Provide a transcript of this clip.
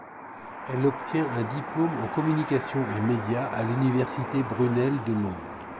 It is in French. Elle obtient un diplôme en communications et médias à l'université Brunel de Londres.